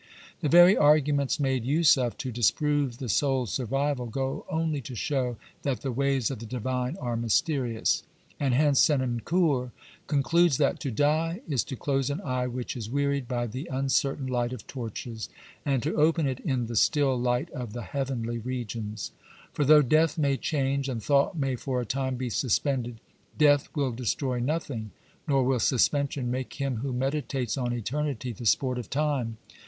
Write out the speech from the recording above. i The very arguments made use of to disprove the soul's survival go only to show that the ways of the Divine are mysterious, 2 And hence Senancour con cludes that, " to die is to close an eye which is wearied by the uncertain light of torches, and to open it in the still light of the heavenly regions." 3 For, though death may change and thought may for a time be suspended, death will destroy nothing, nor will suspension make him who meditates on eternity the sport of time.